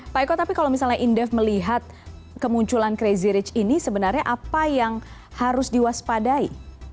pak eko tapi kalau misalnya indef melihat kemunculan crazy rich ini sebenarnya apa yang harus diwaspadai